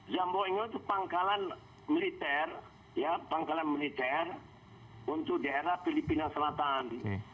zambonyo itu pangkalan militer pangkalan militer untuk daerah filipina selatan